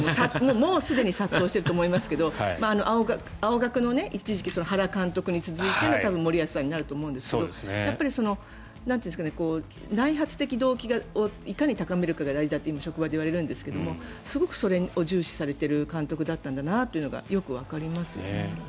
もうすでに殺到していると思いますけど青学の原監督に続いて多分、森保さんになると思うんですが内発的動機をいかに高めるかが大事だと今、職場でいわれるんですがすごくそれを重視されている監督だったんだなってよくわかりますよね。